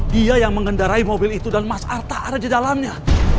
dia yang mengendarai mobil itu dan mas arta ada di dalamnya